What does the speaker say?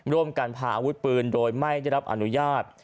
ร่วมกันพาอาวุธปืนโดยไม่ได้รับอนุญาต